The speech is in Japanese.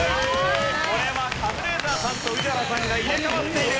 これはカズレーザーさんと宇治原さんが入れ替わっている。